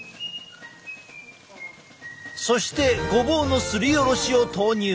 そしてごぼうのすりおろしを投入。